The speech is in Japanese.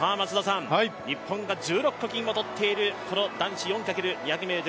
日本が１６個金を取っているこの男子４×２００ｍ